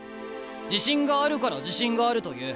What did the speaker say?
自信があるから自信があると言う。